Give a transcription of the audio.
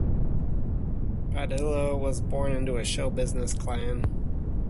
Padilla was born into a show business clan.